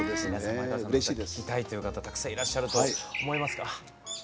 前川さんの歌聴きたいっていう方たくさんいらっしゃると思いますが。